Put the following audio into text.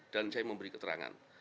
dan saya memberi keterangan